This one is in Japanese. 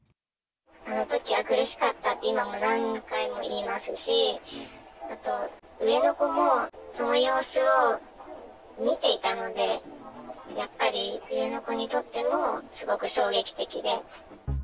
そのときは苦しかったって、今も何回も言いますし、あと、上の子も、その様子を見ていたので、やっぱり、上の子にとっても、すごく衝撃的で。